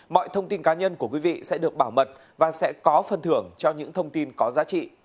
mọi thông tin cá nhân của quý vị sẽ được bảo mật và sẽ có phần thưởng cho những thông tin có giá trị